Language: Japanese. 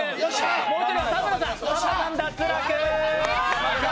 もう一人は田村さん、脱落。